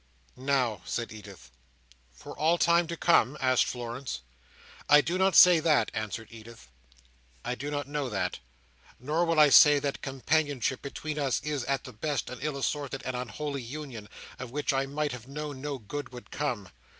"Now," said Edith. "For all time to come?" asked Florence. "I do not say that," answered Edith. "I do not know that. Nor will I say that companionship between us is, at the best, an ill assorted and unholy union, of which I might have known no good could come.